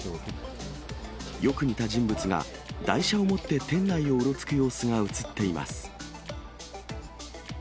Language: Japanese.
よく似た人物が台車を持って店内をうろつく様子が写っています。